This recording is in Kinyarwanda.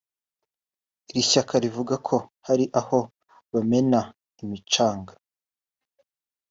Iri shyaka rivuga ko hari aho bamena imicanga